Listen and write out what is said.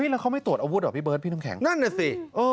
แล้วเขาไม่ตรวจอาวุธเหรอพี่เบิร์ดพี่น้ำแข็งนั่นน่ะสิ